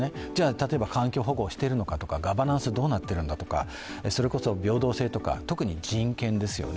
例えば環境保護をしているのかとかガバナンスどうなってるんだとか、それこそ平等性とか特に人権ですよね。